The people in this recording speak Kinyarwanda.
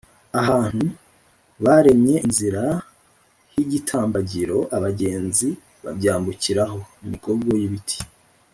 ahantu baremye inzira h’igitambagiro abagenzi babyambukiraho; imigogo y’ibiti